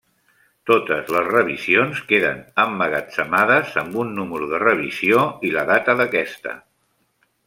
Totes les revisions queden emmagatzemades amb un número de revisió i la data d'aquesta.